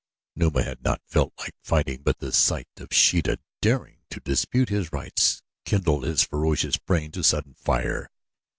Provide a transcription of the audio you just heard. Numa had not felt like fighting; but the sight of Sheeta daring to dispute his rights kindled his ferocious brain to sudden fire.